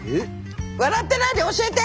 笑ってないで教えて！